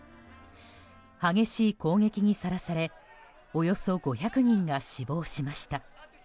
激しい攻撃にさらされおよそ５００人が死亡しました。